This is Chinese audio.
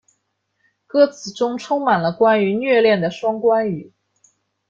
歌词中充满了关于虐恋的双关语。